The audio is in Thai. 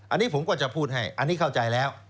อันนี้ผมก็จะพูดให้อันนี้เข้าใจแล้ว